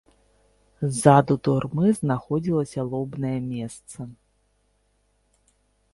Ззаду турмы знаходзілася лобнае месца.